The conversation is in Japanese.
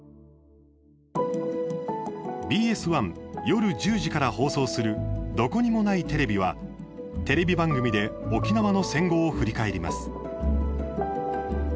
ＢＳ１、夜１０時から放送する「どこにもないテレビ」はテレビ番組で沖縄の戦後を振り返ります。